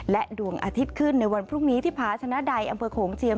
ดวงอาทิตย์ขึ้นในวันพรุ่งนี้ที่พาชนะใดอำเภอโขงเจียม